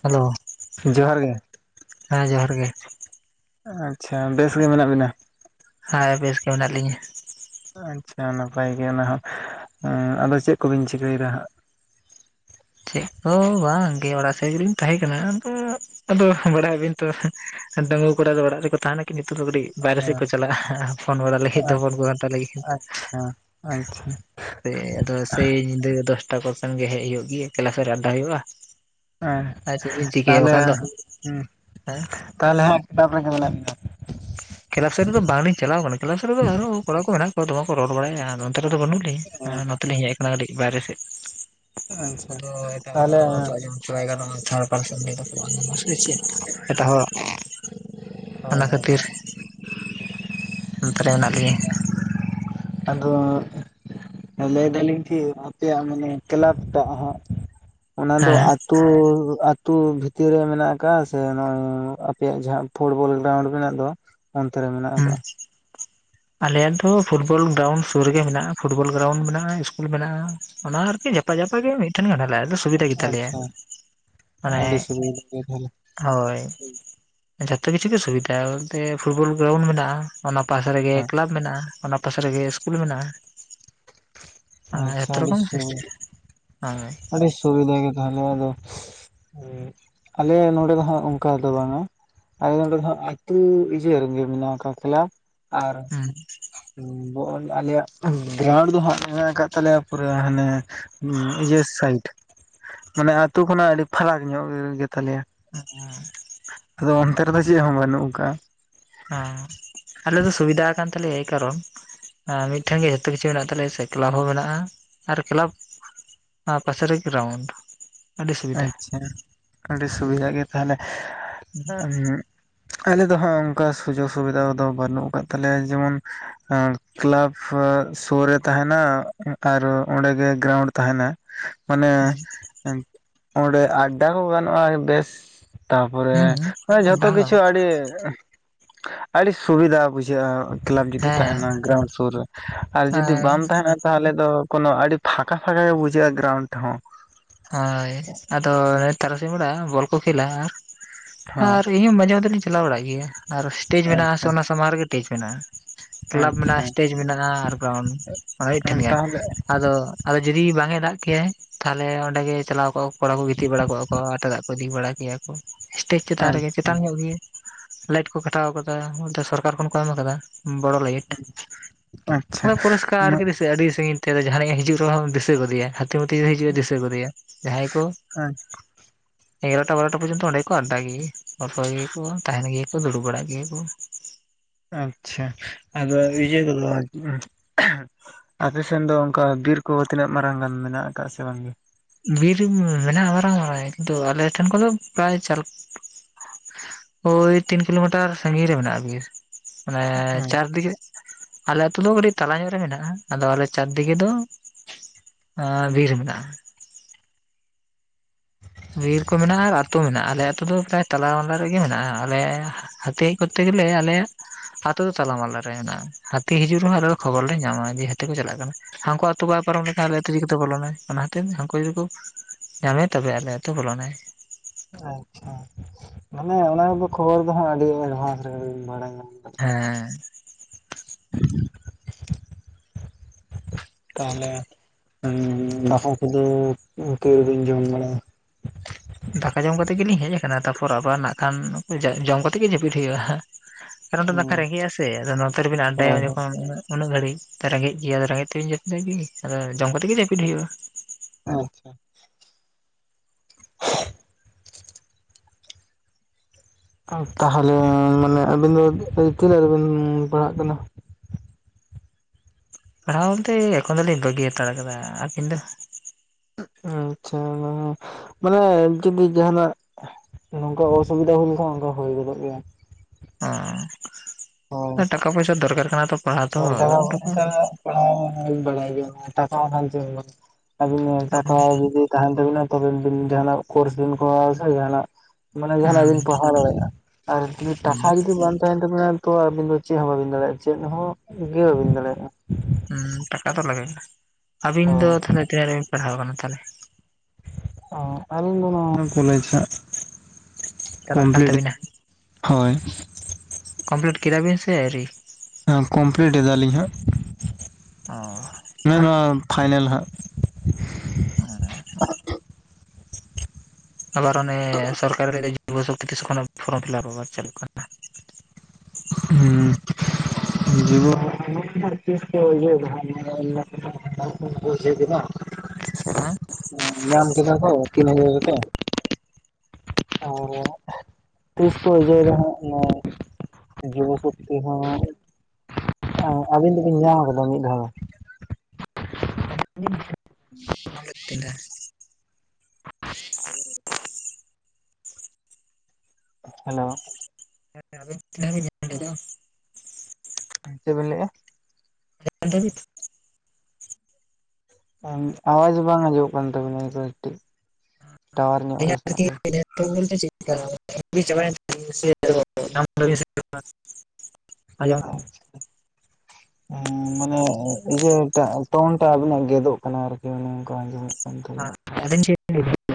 Hello, ᱡᱚᱦᱟᱨ ᱜᱮ ᱦᱮᱸ ᱡᱚᱦᱟᱨ ᱜᱮ᱾ ᱟᱪᱪᱷᱟ, ᱵᱮᱥ ᱜᱮ ᱢᱮᱱᱟᱜ ᱵᱤᱱᱟ? ᱦᱟᱸᱭ ᱵᱮᱥ ᱜᱮ ᱢᱮᱱᱟᱜ ᱞᱤᱧᱟᱹ᱾ ᱟᱪᱪᱷᱟ ᱱᱟᱯᱟᱭ ᱜᱮ, ᱚᱱᱟ ᱦᱚᱸ ᱮᱸ ᱟᱫᱚ ᱪᱮᱫ ᱠᱚ ᱵᱤᱱ ᱪᱤᱠᱟᱹ ᱫᱟ ᱦᱟᱸᱜ? ᱪᱮᱫ ᱦᱚᱸ ᱵᱟᱝ ᱜᱮ ᱚᱲᱟᱜ ᱥᱮᱫ ᱜᱮᱞᱤᱧ ᱛᱟᱦᱮᱸ ᱠᱟᱱᱟ᱾ ᱟᱫᱚᱼᱼ ᱟᱫᱚ ᱵᱟᱲᱟᱭ ᱵᱤᱱ ᱛᱚ ᱰᱟᱺᱜᱩᱣᱟ ᱠᱚᱲᱟ ᱫᱚ ᱚᱲᱟᱜ ᱨᱮᱠᱚ ᱛᱟᱦᱮᱱᱟ ᱠᱤ ᱱᱤᱛᱚᱜ ᱫᱚ ᱠᱟᱹᱴᱤᱡᱼᱼ ᱵᱟᱦᱨᱮ ᱥᱮᱫ ᱠᱚ ᱪᱟᱞᱟᱜᱼᱟ, ᱯᱷᱳᱱ ᱵᱟᱲᱟ ᱞᱟᱹᱜᱤᱫ ᱫᱚ᱾ ᱦᱟᱸᱜ? ᱯᱷᱳᱱ ᱠᱚ ᱜᱷᱟᱱᱴᱟ ᱞᱟᱹᱜᱤᱫ᱾ ᱟᱪᱪᱷᱟ ᱟᱪᱪᱷᱟ ᱥᱮ ᱟᱫᱚ ᱥᱮᱭ ᱧᱤᱫᱟᱹ ᱫᱚᱥᱴᱟ ᱠᱚ ᱠᱷᱚᱱ ᱜᱮ ᱦᱮᱡ ᱦᱩᱭᱩᱜ ᱜᱮ, ᱠᱮᱞᱟᱯ ᱨᱮ ᱟᱰᱰᱟ ᱦᱩᱭᱩᱜᱼᱟ᱾ ᱟᱨ ᱪᱮᱜ ᱵᱤᱱ ᱪᱤᱠᱟᱹᱭᱟ ᱛᱟᱦᱚᱞᱮ ᱵᱟᱠᱷᱟᱱ ᱫᱚ ᱦᱩᱸ ᱦᱮᱸ ᱛᱟᱦᱚᱞᱮ ᱦᱟᱸ ᱯᱟᱠᱟ ᱨᱮᱜᱮ ᱢᱮᱱᱟᱜ ᱵᱤᱱᱟ? ᱠᱮᱞᱟᱯ ᱥᱮᱫ ᱨᱮᱫᱚ ᱵᱟᱝᱞᱤᱧ ᱪᱟᱞᱟᱣ ᱟᱠᱟᱱᱟ᱾ ᱠᱮᱞᱟᱯ ᱥᱮᱫ ᱨᱮ ᱟᱨᱦᱚᱸ ᱠᱚᱲᱟ ᱠᱚ ᱢᱮᱱᱟᱜ ᱠᱚᱣᱟ᱾ ᱫᱚᱢᱮ ᱠᱚ ᱨᱚᱲ ᱵᱟᱲᱟᱭᱟ᱾ ᱟᱫᱚ ᱚᱱᱛᱮ ᱨᱮᱫᱚ ᱵᱟᱹᱱᱩᱜ ᱱᱚᱛᱮ ᱞᱤᱧ ᱦᱮᱡ ᱟᱠᱟᱱᱟ, ᱠᱟᱹᱴᱤᱡ ᱵᱟᱭᱨᱮ ᱥᱮᱫ᱾ ᱟᱪᱪᱷᱟ ᱟᱫᱚ ᱮᱴᱟᱜ ᱦᱚᱲᱟᱜ ᱛᱟᱦᱚᱞᱮ ᱨᱚᱲ ᱦᱚᱛᱚ ᱟᱸᱡᱚᱢᱚᱜ ᱵᱟᱭ ᱜᱟᱱᱚᱜᱼᱟ, ᱛᱷᱟᱨ ᱯᱟᱨᱥᱚᱱ ᱞᱟᱹᱭ ᱫᱟ ᱠᱚ ᱵᱟᱝ ᱜᱟᱱᱚᱜ ᱼᱟ ᱥᱮ ᱪᱮᱫ, ᱮᱴᱟᱜ ᱦᱚᱲᱟᱜ? ᱦᱳᱭ ᱚᱱᱟ ᱦᱳᱭ ᱠᱷᱟᱹᱛᱤᱨ ᱱᱚᱱᱛᱮ ᱨᱮ ᱢᱮᱱᱟᱜ ᱞᱤᱧᱟᱹ᱾ ᱟᱫᱚ ᱞᱟᱹᱭ ᱫᱟᱞᱤᱧ ᱠᱤ ᱱᱚᱛᱮ ᱟᱯᱮᱭᱟᱜ ᱢᱟᱱᱮ ᱠᱞᱟᱵᱽ ᱴᱟᱜ ᱦᱟᱸᱜ, ᱚᱱᱟ ᱫᱚ ᱦᱮᱸ ᱟ ᱛᱩ ᱟᱹᱛᱩ ᱵᱷᱤᱛᱤᱨ ᱨᱮ ᱢᱮᱱᱟᱜ ᱟᱠᱟᱫᱼᱟ ᱥᱮ ᱱᱚᱜᱚᱭ ᱟᱯᱮᱭᱟᱜ ᱡᱟᱦᱟᱸ ᱯᱷᱩᱴᱵᱚᱞ ᱜᱨᱟᱣᱩᱱᱰ ᱢᱮᱱᱟᱹᱜ ᱫᱚ, ᱚᱱᱛᱮ ᱨᱮ ᱢᱮᱱᱟᱜᱼᱟ᱾ ᱦᱩᱸ᱾ ᱟᱞᱮᱭᱟᱜ ᱫᱚ ᱯᱷᱩᱴᱵᱚᱞ ᱜᱨᱟᱣᱩᱱᱰ ᱥᱩᱨ ᱨᱮᱜᱮ ᱢᱮᱱᱟᱜᱼᱟ, ᱯᱷᱩᱴᱵᱚᱞ ᱜᱟᱨᱟᱣᱩᱱᱰ ᱢᱮᱱᱟᱜᱼᱟ, ᱤᱥᱠᱩᱞ ᱢᱮᱱᱟᱜᱼᱟ᱾ ᱚᱱᱟ ᱟᱨᱠᱤ ᱡᱟᱯᱟᱜᱼᱡᱟᱯᱟᱜ ᱜᱮ ᱢᱤᱫᱴᱮᱱᱮ ᱠᱟᱱᱟ ᱞᱮᱼᱟ ᱟᱨ ᱥᱩ ᱥᱩᱵᱤᱫᱷᱟ ᱜᱮᱛᱟᱹᱞᱮ ᱭᱟ ᱟᱪᱪᱷᱟ ᱢᱟᱱᱮ ᱟᱹᱰᱤ ᱥᱟᱺᱜᱤᱧ ᱨᱮᱜᱮ ᱛᱟᱦᱚᱞᱮ ᱦᱳᱭ ᱡᱚᱛᱚ ᱠᱤᱪᱷᱩᱜ ᱜᱮ ᱥᱩᱵᱤᱫᱷᱟ ᱵᱚᱞᱛᱮ ᱯᱷᱩᱴᱵᱚᱞ ᱜᱨᱟᱣᱩᱱᱰ ᱢᱮᱱᱟᱜᱼᱟ᱾ ᱚᱱᱟ ᱯᱟᱥᱮ ᱨᱮᱜᱮ ᱦᱮᱸ ᱠᱞᱟᱵᱽ ᱢᱮᱱᱟᱜ ᱼᱟ, ᱚᱱᱟ ᱯᱟᱥᱮ ᱨᱮᱜᱮ ᱤᱥᱠᱩᱞ ᱢᱮᱱᱟᱜᱼᱟ᱾ ᱟᱨ ᱟᱪᱪᱷᱟ ᱡᱚᱛᱚ ᱟᱹᱰᱤ ᱨᱚᱠᱚᱢ ᱥᱩᱨ ᱥᱤᱥᱴᱮᱢ ᱦᱳᱭ ᱟᱹᱰᱤ ᱥᱩᱵᱤᱫᱟ ᱜᱮ ᱛᱟᱦᱮᱞᱮ ᱟᱫᱚ ᱟᱞᱮ ᱱᱚᱰᱮ ᱫᱚ ᱦᱟᱸᱼᱟᱜ ᱚᱱᱠᱟ ᱫᱚ ᱵᱟᱝᱼᱟ ᱟᱞᱮ ᱱᱚᱸᱰᱮ ᱫᱚ ᱦᱟᱜ ᱟᱹᱛᱩ ᱵᱤᱪᱭᱟᱹ ᱨᱮᱱᱜᱮ ᱢᱮᱱᱟᱜ ᱟᱠᱟᱜ ᱠᱮᱞᱟᱯ᱾ ᱟᱨ ᱦᱮᱸ ᱾ ᱵᱚᱞ ᱟᱞᱮᱭᱟᱜ ᱜᱨᱟᱣᱩᱱᱰ ᱫᱚᱦᱟᱜ ᱢᱮᱱᱟᱜ ᱠᱟᱜ ᱛᱟᱞᱮᱭᱟ ᱯᱩᱨᱟᱹ ᱦᱟᱱᱮ ᱵᱤᱡᱭᱟᱹ ᱥᱟᱭᱤᱴᱷ ᱢᱟᱱᱮ ᱟᱛᱳ ᱠᱷᱚᱱᱟᱜ ᱟᱹᱰᱤ ᱯᱷᱟᱨᱟᱠ ᱧᱚᱜ ᱜᱮ ᱛᱟᱞᱮᱭᱟ᱾ ᱩᱢ᱾ ᱟᱫᱚ ᱚᱱᱛᱮ ᱨᱮᱫᱚ ᱪᱮᱫ ᱦᱚᱸ ᱵᱟᱹᱱᱩᱜ ᱟᱠᱟᱫᱼᱟ᱾ ᱦᱩᱸᱢ ᱟᱞᱮ ᱫᱚ ᱥᱩᱵᱤᱫᱷᱟ ᱠᱟᱱᱟᱱ ᱛᱟᱞᱮᱭᱟ ᱮᱭ ᱠᱟᱨᱚᱱ, ᱢᱤᱫᱴᱷᱮᱱ ᱜᱮ ᱡᱷᱚᱛᱚ ᱠᱤᱪᱷᱩ ᱢᱮᱱᱟᱜ ᱛᱟᱞᱮᱭᱟ ᱥᱮ ᱠᱞᱟᱵᱽ ᱦᱚᱸ ᱢᱮᱱᱟᱜᱼᱟ ᱟᱨ ᱠᱞᱟᱵᱽ ᱚᱱᱟ ᱯᱟᱥᱮ ᱨᱮᱜᱮ ᱜᱨᱟᱣᱩᱱᱰ᱾ ᱟᱹᱰᱤ ᱥᱩᱵᱤᱫᱷᱟ ᱟᱪᱪᱷᱟ ᱟᱹᱰᱤ ᱥᱩᱵᱤᱫᱷᱟ ᱜᱮ ᱛᱟᱦᱚᱞᱮ ᱾ ᱟᱞᱮ ᱫᱚᱦᱟᱸᱜ ᱚᱱᱠᱟ ᱥᱩᱡᱳᱜᱽ ᱥᱩᱵᱤᱫᱷᱟ ᱫᱚ ᱵᱟᱹᱱᱩᱜ ᱟᱠᱟᱫ ᱛᱟᱞᱮᱭᱟ ᱡᱮᱢᱚᱱ ᱠᱞᱟᱵᱽ ᱥᱳ ᱨᱮ ᱛᱟᱦᱮᱱᱟ ᱟᱨ ᱚᱱᱰᱮᱜᱮ ᱜᱨᱟᱣᱩᱱᱰ ᱛᱟᱦᱮᱱᱟ᱾ ᱢᱟᱱᱮ ᱚᱸᱰᱮ ᱟᱹᱰᱟ ᱦᱚ ᱜᱟᱱᱚᱜᱼᱟ ᱵᱮᱥ᱾ ᱛᱟᱯᱚᱨᱮ ᱦᱩᱸ ᱡᱷᱚᱛᱚ ᱰᱟᱦᱟ ᱠᱤᱪᱷᱩ ᱟᱹᱰᱤ ᱟᱹᱰᱤ ᱥᱩᱵᱤᱫᱷᱟ ᱵᱩᱡᱷᱟᱹᱜᱼᱟ᱾ ᱠᱞᱟᱵᱽ ᱡᱩᱫᱤ ᱦᱮᱸ ᱛᱟᱦᱮᱱᱟ ᱜᱨᱟᱣᱩᱱᱰ ᱥᱩᱨ ᱨᱮ ᱟᱨ ᱡᱩᱫᱤ ᱵᱟᱝ ᱛᱟᱦᱮᱱᱟ ᱛᱟᱦᱚᱞᱮ ᱫᱚ ᱠᱳᱱᱚ ᱟᱹᱰᱤ ᱯᱷᱟᱸᱠᱟᱼᱯᱷᱟᱸᱠᱟ ᱜᱮ ᱵᱩᱡᱷᱟᱹᱜᱼᱟ ᱜᱨᱟᱣᱩᱱᱰ ᱦᱚᱸ᱾ ᱦᱳᱭ ᱟᱫᱚ ᱛᱟᱨᱟᱥᱤᱧ ᱵᱮᱲᱟ ᱵᱚᱞ ᱠᱚ ᱠᱷᱮᱞᱟ ᱦᱮᱸ ᱟᱨ ᱛᱮᱦᱮᱱ ᱢᱟᱡᱟᱣ ᱦᱟᱛᱮᱱ ᱤᱧ ᱪᱟᱞᱟᱣᱲᱟᱜ ᱜᱮᱭᱟ ᱟᱨ ᱤᱥᱴᱮᱡ ᱢᱮᱱᱟᱜᱼᱟ ᱟ ᱥᱮ ᱟᱪᱪᱷᱟ ᱚᱱᱟ ᱥᱟᱢᱟᱝ ᱨᱮᱜᱮ ᱴᱮᱡ ᱢᱮᱱᱟᱜᱼᱟ᱾ ᱠᱞᱟᱵᱽ ᱟᱪᱪᱷᱟ ᱢᱮᱱᱟᱜᱼᱟ ᱤᱥᱴᱮᱡᱽ ᱢᱮᱱᱟᱜᱼᱟ ᱟᱨ ᱜᱨᱟᱣᱩᱱᱰ ᱢᱟᱱᱮ ᱢᱤᱫ ᱴᱷᱮᱱ ᱜᱮ᱾ ᱛᱟᱦᱚᱞᱮ ᱟᱫᱚ ᱟᱫᱚ ᱡᱩᱫᱤ ᱵᱟᱝ ᱮ ᱫᱟᱜ ᱠᱮᱼᱟᱭ ᱛᱟᱞᱦᱮᱸ ᱚᱸᱰᱮ ᱜᱮ ᱪᱟᱞᱟᱣ ᱠᱚᱜᱼᱟ ᱠᱚ ᱠᱚᱲᱟ ᱠᱚ ᱜᱤᱛᱤᱡ ᱵᱟᱲᱟ ᱠᱚᱜᱼᱟ ᱠᱚ ᱟᱨ ᱮᱴᱟᱜᱟᱼᱟ ᱠᱚ ᱤᱫᱤ ᱵᱟᱲᱟ ᱠᱮᱭᱟ ᱠᱚ᱾ ᱤᱥᱴᱮᱡ ᱪᱮᱛᱟᱱ ᱟᱪᱪᱷᱟ ᱪᱮᱛᱟᱱ ᱧᱚᱜ ᱜᱮᱤ ᱠᱚ ᱠᱟᱴᱟᱣ ᱟᱠᱟᱫᱟ ᱵᱚᱞ ᱥᱚᱨᱠᱟᱨ ᱠᱷᱚᱱ ᱞᱟᱤᱴ ᱠᱚ ᱮᱢ ᱟᱠᱟᱫᱟ᱾ ᱵᱚᱲᱚ ᱞᱟᱹᱭᱼᱤᱴ ᱟᱪᱪᱷᱟ ᱟᱪᱪᱷᱟ ᱦᱚᱭ ᱯᱩᱨᱩᱥᱠᱟᱨ ᱜᱤᱨᱤᱥ ᱟᱹᱰᱤ ᱥᱟᱹᱜᱤᱧ ᱛᱮ ᱡᱟᱦᱟᱱᱟᱜ ᱦᱤᱡᱩᱜ ᱨᱮᱦᱚᱸ ᱫᱤᱥᱟᱹ ᱜᱚᱫᱮᱭᱟ ᱦᱟᱹᱛᱤ ᱢᱟᱛᱤ ᱦᱤᱡᱩᱜᱼᱟ ᱨᱮᱦᱚ ᱫᱤᱥ ᱜᱚᱫ ᱮᱭᱟ ᱡᱟᱦᱟᱸᱭ ᱠᱚ ᱮᱜᱟᱨᱚᱴᱟ ᱵᱟᱨᱚᱴᱟ ᱯᱚᱨᱡᱚᱱᱛᱚ ᱚᱸᱰᱮ ᱜᱮᱠᱚ ᱟᱰᱰᱟᱭ ᱜᱮᱭᱟᱠᱚ, [unintelligible] ᱛᱟᱦᱮᱱ ᱜᱮᱭᱟᱠᱚ, ᱫᱩᱲᱩᱵ ᱵᱟᱲᱟᱜ ᱜᱮᱭᱟ ᱠᱚ ᱾ ᱟᱪᱪᱷᱟ ᱟᱫᱚ [inaudible] ᱟᱯᱮ ᱥᱮᱱ ᱫᱚ ᱚᱱᱠᱟ ᱵᱤᱨ ᱠᱚ ᱛᱤᱱᱟᱹᱜ ᱢᱟᱨᱟᱝ ᱜᱟᱱ ᱢᱮᱱᱟᱜ ᱟᱠᱟᱜ-ᱟ ᱥᱮ ᱵᱟᱝᱜᱮ? ᱵᱤᱨ ᱢᱮᱱᱟᱜᱼᱟ ᱢᱟᱨᱟᱝ ᱢᱟᱨᱟᱝ ᱠᱤᱱᱛᱩ ᱟᱞᱮ ᱴᱷᱮᱱ ᱠᱷᱚᱱᱫᱚ ᱯᱮᱨᱟᱭ ᱪᱟᱞ ᱳᱭ ᱛᱤᱱ ᱠᱤᱞᱳᱢᱤᱴᱟᱨ ᱥᱟᱹᱜᱤᱧ ᱨᱮ ᱢᱮᱱᱟᱜᱼᱟ ᱵᱤᱨ ᱢᱟᱱᱮ ᱪᱟᱨ ᱫᱤᱠᱜᱮ ᱟᱞᱮ ᱟᱹᱛᱩ ᱫᱚ ᱠᱟᱴᱤᱡ ᱛᱟᱞᱟ ᱧᱚᱜ ᱨᱮ ᱢᱮᱱᱟᱜᱼᱟ ᱟᱫᱚ ᱟᱞᱮ ᱪᱟᱨ ᱫᱤᱜᱮ ᱫᱚ ᱟᱻ ᱵᱤᱨ ᱢᱮᱱᱟᱜᱼᱟ ᱾ ᱵᱤᱨ ᱠᱚ ᱢᱮᱱᱟᱜᱼᱟ ᱟᱨ ᱟᱹᱛᱩ ᱢᱮᱱᱟᱜᱼᱟ, ᱟᱞᱮ ᱟᱹᱛᱩ ᱫᱚ ᱯᱮᱨᱟᱭ ᱛᱟᱞᱟ ᱢᱟᱞᱟ ᱨᱮᱜᱮ ᱢᱮᱱᱟᱜᱼᱟ, ᱚᱱᱮ ᱦᱟᱹᱛᱤ ᱠᱚ ᱠᱚᱨᱛᱮ ᱜᱮᱞᱮ ᱟᱞᱮᱭᱟᱜ ᱟᱹᱛᱳ ᱫᱚ ᱛᱟᱞᱟᱢᱟᱞᱟ ᱨᱮ ᱦᱮᱱᱟᱜᱼᱟ᱾ ᱦᱟᱹᱛᱤ ᱦᱤᱡᱩᱜ ᱨᱮᱦᱚᱸ ᱟᱞᱮ ᱫᱚ ᱠᱷᱚᱵᱚᱨ ᱞᱮ ᱧᱟᱢᱟ ᱡᱮ ᱦᱟᱹᱛᱤ ᱠᱚ ᱪᱟᱞᱟᱜ ᱠᱟᱱᱟ᱾ ᱦᱟᱱᱠᱩ ᱟᱹᱛᱩ ᱵᱟᱭ ᱯᱟᱨᱚᱢ ᱞᱮᱱᱠᱷᱟᱱ ᱟᱞᱮ ᱟᱛᱩ ᱪᱤᱠᱟᱛᱮ ᱵᱚᱞᱚᱱᱟᱭ ᱚᱱᱟ ᱠᱷᱟᱛᱤᱨ ᱦᱟᱱᱠᱩ ᱡᱩᱫᱤ ᱠᱚ ᱧᱟᱢᱮᱭᱟ ᱛᱚᱵᱮ ᱟᱞᱮ ᱛᱚ ᱵᱚᱞᱚᱱᱟᱭ ᱾ ᱟᱪᱪᱷᱟ ᱢᱟᱱᱮ ᱚᱱᱟ ᱠᱚᱫᱚ ᱠᱷᱚᱵᱚᱨ ᱫᱚ ᱦᱟᱸᱜ ᱟᱹᱰᱤ ᱮᱰᱵᱷᱟᱱᱥ ᱨᱮᱜᱮ ᱵᱟᱲᱟᱭ ᱧᱟᱢ ᱟᱞᱮ ᱾ ᱦᱮᱸ ᱾ [unintelligible] ᱛᱟᱦᱚᱞᱮ ᱦᱩ ᱫᱟᱠᱟ ᱠᱚᱫᱚ ᱛᱤ ᱨᱤᱵᱤᱱ ᱡᱚᱢ ᱵᱟᱲᱟᱭᱟ ᱫᱟᱠᱟ ᱡᱚᱢ ᱠᱟᱛᱮᱫ ᱜᱮᱞᱤᱧ ᱦᱮᱡ ᱟᱠᱟᱱᱟ ᱛᱟᱨᱯᱚᱨ ᱟᱵᱟᱨ ᱱᱟᱜ ᱠᱷᱟᱱ ᱡᱚᱢ ᱠᱟᱛᱮᱜ ᱜᱮ ᱡᱟᱹᱯᱤᱫ ᱦᱩᱭᱩᱜᱼᱟ᱾ ᱠᱟᱨᱚᱱ ᱱᱚᱰᱮ ᱱᱟᱝᱠᱷᱟ ᱨᱮᱸᱜᱮᱡ ᱟᱥᱮ ᱟᱫᱚ ᱱᱚᱛᱮ ᱨᱮᱵᱤᱱ ᱟᱰᱟᱭᱟ ᱦᱳᱭ ᱩᱱ ᱦᱳᱭ ᱡᱚᱠᱷᱚᱱ ᱩᱱᱟᱹᱜ ᱜᱷᱟᱹᱲᱤᱡ ᱨᱮᱸᱜᱮᱡ ᱜᱮᱭᱟ ᱟᱫᱚ ᱨᱮᱸᱜᱮᱡ ᱛᱮᱵᱤᱱ ᱡᱟᱹᱯᱤᱫᱟ ᱠᱤ ᱟᱫᱚ ᱡᱚᱢ ᱠᱟᱛᱮ ᱜᱮ ᱡᱟᱹᱯᱤᱫ ᱦᱩᱭᱩᱜᱼᱟ᱾ [inaudible] ᱛᱟᱦᱚᱞᱮ ᱢᱟᱱᱮ ᱟᱹᱵᱤᱱ ᱫᱚ ᱛᱤᱱᱟᱹᱜ ᱨᱮᱵᱤᱱ ᱯᱟᱲᱦᱟᱜ ᱠᱟᱱᱟ? ᱯᱟᱲᱦᱟᱣ ᱵᱳᱞᱛᱮ ᱮᱠᱷᱚᱱ ᱫᱚᱞᱤᱧ ᱵᱟᱹᱜᱤ ᱦᱟᱛᱟᱲ ᱠᱟᱫᱟ ᱟᱨ ᱠᱤᱱᱛᱩ [inaudible] ᱢᱟᱱᱮ ᱡᱩᱫᱤ ᱡᱟᱦᱟᱱᱟᱜ ᱱᱚᱝᱠᱟ ᱚᱥᱩᱵᱤᱫᱟ ᱦᱩᱭ ᱞᱮᱠᱷᱟᱱ ᱚᱱᱠᱟ ᱦᱩᱭ ᱜᱚᱫᱚᱜ ᱜᱮᱭᱟ᱾ ᱚ ᱴᱟᱠᱟ ᱯᱩᱭᱥᱟ ᱫᱚᱨᱠᱟᱨ ᱠᱟᱱᱟ ᱛᱚ ᱾ ᱼ [unintelligible] [unintelligible] ᱴᱟᱠᱟ ᱡᱩᱫᱤ ᱛᱟᱦᱮᱱ ᱛᱟᱵᱤᱱᱟ ᱛᱚᱵᱮ ᱵᱤᱱ ᱡᱟᱦᱱᱟᱜ ᱠᱳᱨᱥ ᱵᱤᱱ ᱠᱚᱨᱟᱣᱟ ᱥᱮ ᱡᱟᱦᱟᱱᱟᱜ ᱢᱟᱱᱮ ᱡᱟᱦᱟᱱᱟᱜ ᱦᱩᱸ ᱵᱤᱱ ᱯᱟᱲᱦᱟᱣ ᱫᱟᱲᱮᱭᱟᱜᱼᱟ ᱟᱨ ᱡᱩᱫᱤ ᱴᱟᱠᱟ ᱡᱩᱫᱤ ᱵᱟᱝ ᱛᱟᱦᱮᱱ ᱛᱟᱵᱤᱱᱟ ᱛᱚ ᱟᱹᱵᱤᱱ ᱫᱚ ᱪᱮᱫ ᱦᱚᱸ ᱵᱟᱹᱵᱤᱱ ᱫᱟᱲᱮᱭᱟᱜᱼᱟ ᱪᱮᱫ ᱦᱚᱸ ᱜᱮ ᱵᱟᱵᱤᱱ ᱫᱟᱲᱮᱭᱟᱜᱼᱟ ᱾ ᱦᱩᱸ ᱴᱟᱠᱟ ᱫᱚ ᱞᱟᱜᱟ ᱟᱵᱤᱱ ᱫᱚ ᱦᱳᱭ ᱛᱟᱦᱚᱞᱮ ᱛᱤᱱᱟᱹᱜ ᱨᱮᱵᱤᱱ ᱯᱟᱲᱦᱟᱣ ᱟᱠᱟᱱᱟ ᱛᱟᱦᱚᱞᱮ? ᱚ ᱟᱹᱞᱤᱧ ᱫᱚ ᱠᱚᱞᱮᱡ ᱦᱟᱸᱜ᱾ ᱪᱟᱞᱟᱜ ᱠᱟᱱ ᱠᱚᱢᱯᱞᱤᱴ ᱛᱟᱹᱵᱤᱱᱟ ᱦᱳᱭ ᱠᱚᱢᱯᱤᱞᱤᱴ ᱠᱮᱫᱟ ᱵᱤᱱ ᱥᱮ ᱟᱭᱨᱤ? ᱮ ᱠᱚᱢᱯᱤᱞᱤᱴ ᱮᱫᱟᱞᱤᱧ ᱦᱟᱸᱜ᱾ ᱚ ᱾ ᱱᱚᱣᱟ ᱯᱷᱟᱭᱱᱮᱞ ᱦᱟᱸᱜ᱾ [unintelligible] ᱟᱵᱟᱨ ᱚᱱᱮ ᱥᱚᱨᱠᱟᱨ ᱮ ᱞᱟᱹᱭ ᱫᱟ ᱡᱩᱵᱚ ᱥᱚᱠᱛᱤ ᱛᱤᱥ ᱠᱷᱚᱱᱟᱜ ᱯᱷᱚᱨᱚᱢ ᱯᱷᱤᱞᱟᱯ ᱟᱵᱟᱨ ᱪᱟᱞᱩᱜ ᱠᱟᱱᱟ᱾ ᱦᱩ ᱾ [inaudible] [unintelligible] [unintelligible] ᱧᱟᱢ ᱠᱮᱫᱟ ᱠᱚ ᱛᱤᱱ ᱦᱟᱡᱟᱨ ᱠᱟᱛᱮ᱾ ᱟᱨᱻ ᱛᱤᱥ ᱠᱚ ᱤᱭᱳᱭ ᱫᱟ ᱦᱟᱸᱜ ᱱᱚᱜ-ᱚᱭ ᱡᱩᱵ ᱥᱚᱠᱛᱤ ᱦᱚᱸ᱾ ᱚ, ᱟᱹᱵᱤᱱ ᱫᱚ ᱵᱤᱱ ᱧᱟᱢ ᱟᱠᱟᱫᱟ ᱢᱤᱫ ᱫᱷᱟᱹᱣ ᱫᱚ? [inaudible] ᱛᱤᱱᱟᱹᱜ ᱛᱤᱱᱟᱹᱜ [inaudible] ᱦᱮᱞᱳ? ᱦᱮᱸ ᱦᱮᱸ, ᱟᱹᱵᱤᱱ ᱛᱤᱱᱳᱜ ᱵᱤᱱ ᱧᱟᱢ ᱠᱮᱫᱟ? ᱦᱮᱸ, ᱪᱮᱫ ᱵᱮᱱ ᱞᱟᱹᱭ ᱮᱜ-ᱟ? ᱫᱷᱟᱵᱤᱡ [unintelligible] ᱟᱣᱟᱡ ᱵᱟᱝ ᱟᱸᱡᱚᱢᱚᱜ ᱠᱟᱱ ᱛᱟᱵᱤᱱᱟ ᱱᱤᱛᱚᱜ ᱠᱟᱹᱴᱤᱡ ᱴᱟᱣᱟᱨ ᱧᱚᱜ ᱨᱮ ᱥᱮᱱᱚᱜ ᱵᱤᱱ᱾ ᱮᱢ ᱵᱤ ᱪᱟᱵᱟᱭ ᱮᱱᱟ ᱥᱮᱪᱮᱫ? [unintelligible] ᱟᱭᱟᱝ [inaudible] ᱦᱩᱸ, ᱢᱟᱱᱮ ᱤᱭᱟᱹᱴᱟᱜ ᱴᱚᱱᱴᱟᱜ ᱟᱹᱵᱤᱱᱟᱜ ᱜᱮᱫᱚᱜ ᱠᱟᱱᱟ ᱟᱨᱠᱤ, ᱚᱱᱮ ᱚᱱᱠᱟ ᱟᱸᱡᱚᱢᱚᱜ ᱠᱟᱱ ᱛᱟᱵᱤᱱᱟ ᱟᱹᱞᱤᱧ ᱪᱮᱫ ᱞᱤᱧ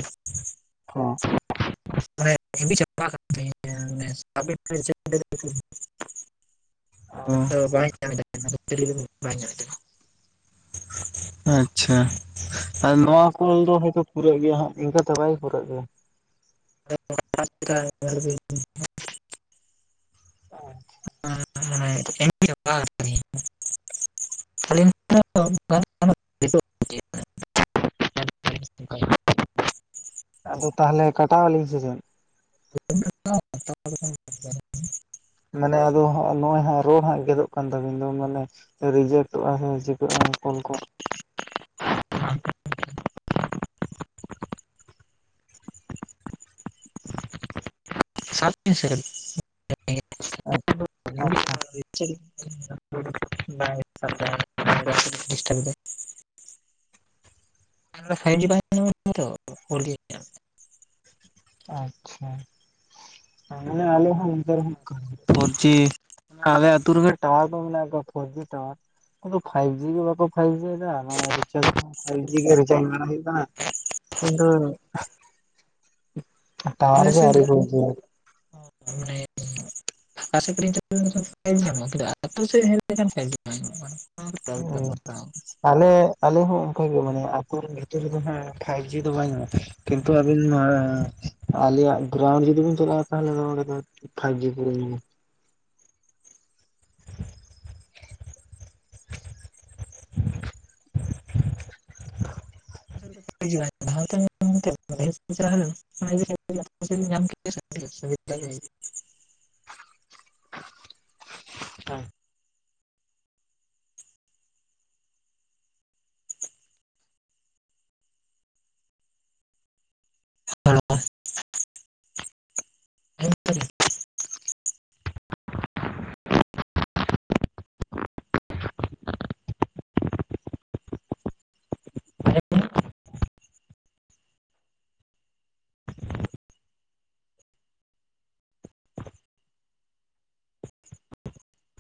[unintelligible] [unintelligible] ᱟᱭ ᱧ [unintelligible] ᱟᱪᱪᱷᱟ, ᱟᱨ ᱱᱚᱣᱟ ᱠᱚᱞ ᱫᱚ ᱦᱚᱭᱛᱳ ᱯᱩᱨᱟᱹᱜ ᱜᱮᱭᱟ ᱦᱟᱸᱜ, ᱤᱱᱠᱟᱛᱮ ᱵᱟᱭ ᱯᱩᱨᱟᱹᱜ ᱜᱮᱭᱟ᱾ [unintelligible] [unintelligible] ᱟᱫᱚ ᱛᱟᱦᱚᱞᱮ ᱠᱟᱴᱟᱣ ᱟᱹᱞᱤᱧ ᱥᱮ ᱪᱮᱫ? [unintelligible] ᱢᱟᱱᱮ ᱟᱫᱚ ᱦᱟᱸᱜ ᱱᱚᱸᱜ-ᱚᱭ ᱦᱟᱸᱜ ᱨᱚᱲ ᱦᱟᱸᱜ ᱜᱮᱫᱚᱜ ᱠᱟᱱ ᱛᱟᱵᱤᱱ ᱫᱚ ᱢᱟᱱᱮ᱾ ᱨᱮᱡᱮᱠᱴᱚᱜ-ᱟ ᱥᱮ ᱪᱤᱠᱟᱹᱜ-ᱟ ᱠᱚᱞ ᱠᱚ? ᱥᱟᱵᱽ ᱵᱤᱱ ᱥᱮ ᱟᱪᱪᱷᱟ [unintelligible] [unintelligible] [inaudible] ᱯᱷᱟᱭᱤ ᱡᱤ [unintelligible] ᱟᱪᱪᱷᱟ᱾ ᱦᱮᱸ, ᱢᱟᱱᱮ ᱟᱞᱮ ᱦᱚᱸ ᱚᱱᱠᱟ ᱨᱮᱦᱚᱸ ᱱᱚᱝᱠᱟ᱾ ᱯᱷᱳᱨᱡᱤ ᱟᱞᱮ ᱟᱹᱛᱩ ᱨᱮᱦᱚᱸ ᱴᱟᱣᱟᱨ ᱫᱚ ᱢᱮᱱᱟᱜ ᱜᱮᱭᱟ ᱯᱷᱳᱨᱡᱤ ᱴᱟᱣᱟᱨ᱾ ᱟᱫᱚ ᱯᱷᱟᱭᱵᱽ ᱡᱤ ᱫᱚ ᱵᱟᱠᱚ ᱯᱷᱟᱭᱤᱵᱽ ᱡᱤ ᱱᱚᱣᱟ ᱨᱤᱪᱟᱨᱡᱽ ᱠᱚᱦᱚᱸᱯᱷᱟᱭᱤᱵᱷ ᱡᱤ ᱜᱮ ᱨᱤᱪᱟᱨᱡᱽ ᱢᱟᱨᱟ ᱦᱩᱭᱩᱜ ᱠᱟᱱᱟ᱾ᱠᱤᱱᱛᱩ ᱟᱨ ᱴᱟᱣᱟᱨ ᱟᱞᱮ ᱫᱚ ᱥᱮᱫ ᱟᱹᱣᱨᱤ ᱠᱚ ᱟᱹᱜᱩᱭᱟ᱾ [unintelligible] ᱚᱠᱟ ᱥᱮᱫ ᱨᱮᱧ ᱪᱟᱞᱟᱣ ᱞᱮᱱᱠᱷᱟᱱ ᱴᱟᱣᱟᱨᱮ ᱧᱟᱢᱟ, ᱠᱤᱱᱛᱩ ᱟᱹᱛᱩ ᱥᱮᱫ ᱦᱮᱡ ᱞᱮᱠᱷᱟᱱ ᱯᱷᱟᱭᱤᱵᱽ ᱡᱤ ᱵᱟᱭ ᱧᱟᱢᱚᱜ-ᱟ᱾ ᱮᱠᱫᱚᱢ ᱦᱩᱸ ᱮᱠᱫᱚᱢ [unintelligible] ᱟᱞᱮ ᱟᱞᱮ ᱦᱚᱸ ᱚᱱᱠᱟ ᱜᱮ ᱢᱟᱱᱮ ᱟᱹᱛᱩ ᱵᱷᱤᱛᱨᱤ ᱨᱮᱦᱚᱸ ᱯᱷᱟᱭᱤᱵᱽ ᱡᱤ ᱫᱚ ᱵᱟᱝ ᱧᱟᱢᱚᱜ-ᱟ᱾ ᱠᱤᱱᱛᱩ ᱟᱹᱵᱤᱱ ᱦᱟᱸᱜ ᱟᱞᱮᱭᱟᱜ ᱜᱨᱟᱩᱱᱰ ᱡᱩᱫᱤ ᱵᱤᱱ ᱪᱟᱞᱟᱜ-ᱟ ᱛᱟᱦᱚᱞᱮ ᱫᱚ ᱱᱚᱸᱰᱮ ᱫᱚ ᱯᱷᱟᱭᱤᱵᱽ ᱡᱤ ᱯᱩᱨᱟᱹᱭ ᱧᱟᱢᱟ᱾ [inaudible] [inaudible] ᱦᱮᱸ, [inaudible] ᱠᱮᱫ